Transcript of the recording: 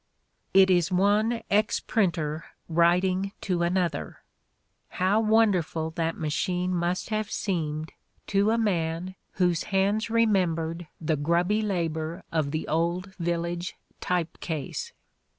" It is one ex printer writing to another: how wonderful that machine must have seemed to a man whose hands remembered the grubby labor of the old village type case!